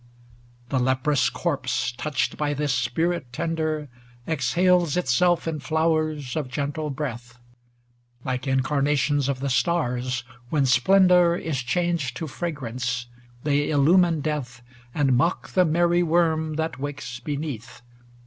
XX The leprous corpse, touched by this spirit tender. Exhales itself in flowers of gentle breath; Like incarnations of the stars, when splendor Is changed to fragrance, they illumine death And mock the merry worm that wakes beneath.